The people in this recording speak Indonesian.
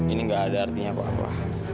ini nggak ada artinya apa apa